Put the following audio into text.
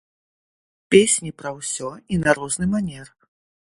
Песні пра ўсё і на розны манер.